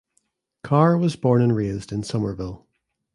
Carr was born and raised in Somerville.